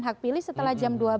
hak pilih setelah jam dua belas